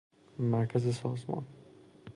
مرکز سازمان